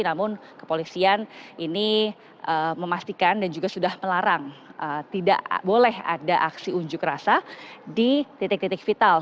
namun kepolisian ini memastikan dan juga sudah melarang tidak boleh ada aksi unjuk rasa di titik titik vital